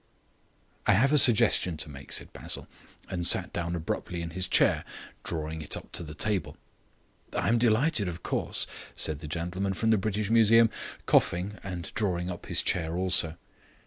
"I have a suggestion to make," said Basil, and sat down abruptly in his chair, drawing it up to the table. "I am delighted, of course," said the gentleman from the British Museum, coughing and drawing up his chair also.